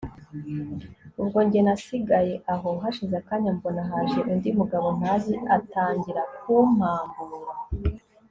ubwo njye nasigaye aho, hashize akanya mbona haje undi mugabo ntazi atangira kumpambura